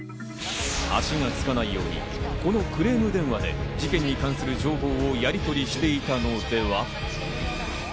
足がつかないように、このクレーム電話で事件に関する情報をやりとりしていたのでは？